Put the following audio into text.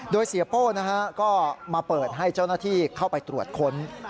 โดยเสียโป้ก็มาเปิดให้เจ้าหน้าที่เข้าไปตรวจค้น